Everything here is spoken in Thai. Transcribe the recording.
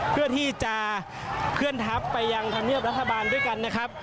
เพื่อที่จะเคลื่อนทัพไปยังธรรมเนียบรัฐบาลด้วยกันนะครับ